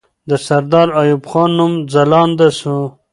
د سردار ایوب خان نوم ځلانده سو.